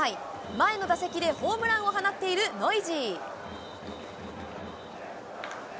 前の打席でホームランを放っているノイジー。